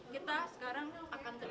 kita sekarang akan tidak dengan segan